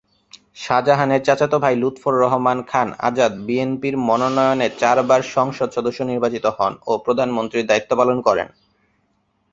শাহজাহানের চাচাত ভাই লুৎফর রহমান খান আজাদ বিএনপির মনোনয়নে চারবার সংসদ সদস্য নির্বাচিত হন ও প্রতিমন্ত্রীর দায়িত্ব পালন করেন।